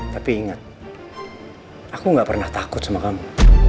tapi ingat aku gak pernah takut sama kamu